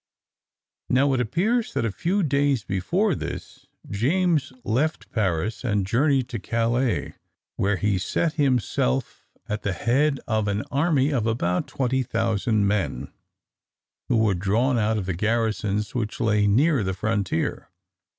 Now it appears that a few days before this, James left Paris, and journeyed to Calais, where he set himself at the head of an army of about 20,000 men, who were drawn out of the garrisons which lay near the frontier.